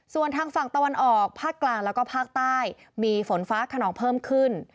ส่วนทางฝั่งตะวันออกภาคกลางแล้วก็ภาคใต้มีฝนฟ้าขนองเพิ่มขึ้น